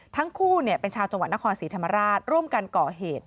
ทั้งคู่เป็นชาวจังหวัดนครศรีธรรมราชร่วมกันก่อเหตุ